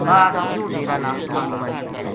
بعد یوہ ڈیرا نا آنیوں